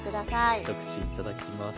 一口いただきます。